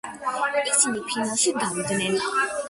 ისინი ფინალში გავიდნენ.